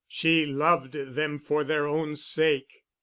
She loved them for their own sake.